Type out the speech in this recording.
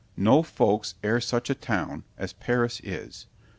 —NO FOLKS E'ER SUCH A TOWN AS PARIS IS!